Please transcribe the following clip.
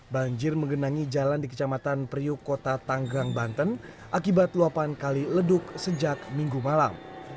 banjir menggenangi jalan di kecamatan priuk kota tanggrang banten akibat luapan kali leduk sejak minggu malam